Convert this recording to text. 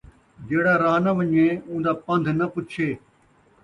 جیڑھا راہ ناں ون٘ڄے ، اون٘دا پن٘دھ ناں پچھے